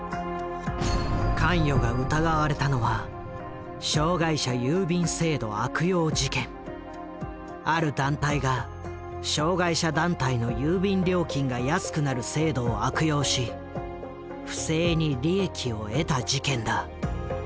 関与が疑われたのはある団体が障害者団体の郵便料金が安くなる制度を悪用し不正に利益を得た事件だ。